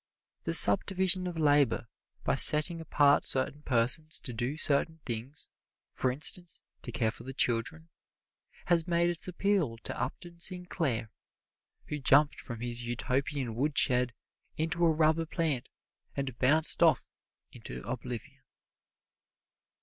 The sub division of labor, by setting apart certain persons to do certain things for instance, to care for the children has made its appeal to Upton Sinclair, who jumped from his Utopian woodshed into a rubber plant and bounced off into oblivion.